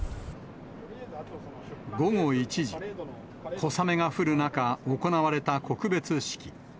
午後１時、小雨が降る中、行われた告別式。